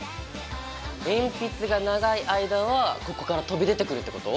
鉛筆が長い間はここから飛び出てくるってこと？